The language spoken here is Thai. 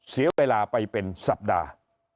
เสียเวลาไปเป็นสัปดาห์